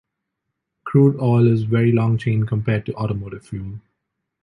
Crude oil is very long chain compared to automotive fuel.